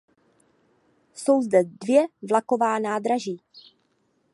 Jsou zde dvě vlaková nádraží.